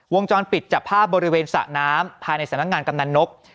วงจรปิดจับภาพบริเวณสระน้ำภายในสำนักงานกำนันนก